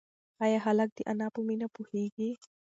ایا هلک د انا په مینه پوهېږي؟